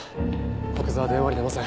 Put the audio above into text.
古久沢電話に出ません。